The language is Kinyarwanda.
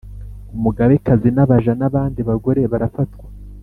umugabekazi n'abaja n'abandi bagore barafatwa